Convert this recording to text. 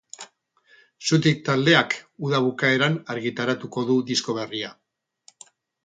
Xutik taldeak uda bukaeran argitaratuko du disko berria.